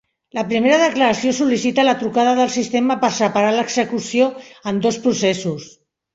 La primera declaració sol·licita la trucada del sistema per separar l'execució en dos processos.